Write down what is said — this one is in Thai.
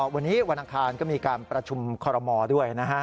วันนี้วันอังคารก็มีการประชุมคอรมอลด้วยนะฮะ